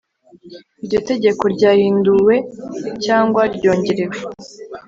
iryo tegeko ryahinduwe cyangwa ryongerewe